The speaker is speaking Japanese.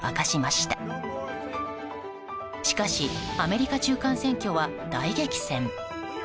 しかしアメリカ中間選挙は大激戦。